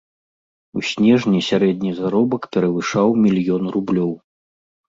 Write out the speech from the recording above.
У снежні сярэдні заробак перавышаў мільён рублёў.